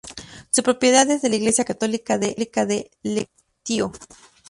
Su propiedad es de la Iglesia Católica de Lequeitio.